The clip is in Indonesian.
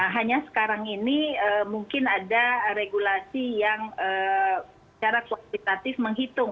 hanya sekarang ini mungkin ada regulasi yang secara kuantitatif menghitung